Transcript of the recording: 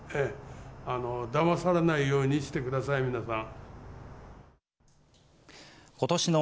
だまされないようにしてください、皆さん。